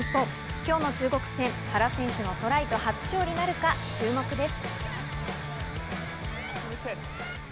今日の中国戦、原選手のトライと初勝利なるか注目です。